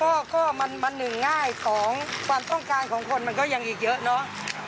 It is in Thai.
ก็มันหนึ่งง่ายของความต้องการของคนมันก็ยังอีกเยอะเนาะ